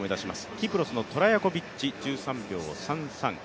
キプロスのトラヤコビッチ、１３秒３３。